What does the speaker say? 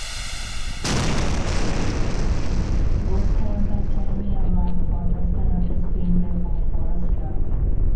Roth won the Academy Award for Best Adapted Screenplay for "Forrest Gump".